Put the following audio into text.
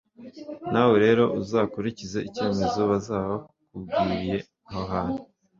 nawe rero uzakurikize icyemezo bazaba bakubwiriye aho hantu